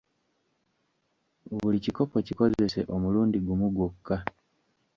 Buli kikopo kikozese omulundi gumu gwokka